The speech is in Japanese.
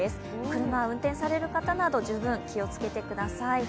車を運転される方など十分気をつけてください。